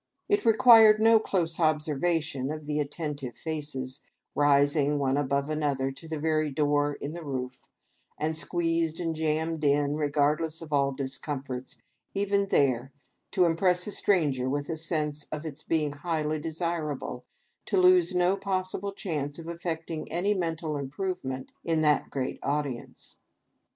It required no close observation of the attentive faces, rising one above another, to the very door in the roof, and squeezed and jammed in, regardless of all discomforts, even there, to impress a stranger with a sense of its being highly desir able to lose no possible chance of effecting any mental improvement in that great audience.